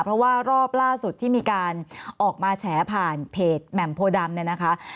เพราะว่ารอบล่าสุดที่มีการออกมาแฉผ่านเพจแหม่มโพดำเนี่ยนะคะ